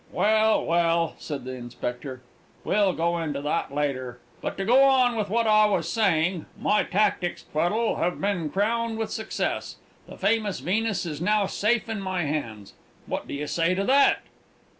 "Well, well," said the Inspector, "we'll go into that later. But, to go on with what I was saying. My tactics, Tweddle, have been crowned with success the famous Venus is now safe in my hands! What do you say to that?"